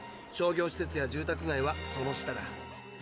商業施設や住宅街はその下だ。